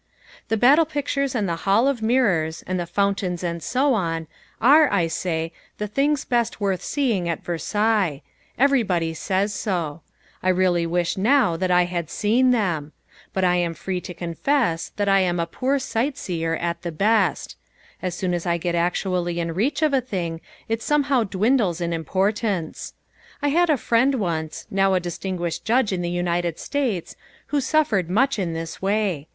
The battle pictures and the Hall of Mirrors, and the fountains and so on, are, I say, the things best worth seeing at Versailles. Everybody says so. I really wish now that I had seen them. But I am free to confess that I am a poor sightseer at the best. As soon as I get actually in reach of a thing it somehow dwindles in importance. I had a friend once, now a distinguished judge in the United States, who suffered much in this way.